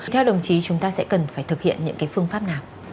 theo đồng chí chúng ta sẽ cần phải thực hiện những cái phương pháp nào